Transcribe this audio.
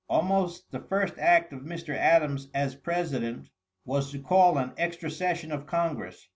Almost the first act of Mr. Adams, as President, was to call an extra session of Congress.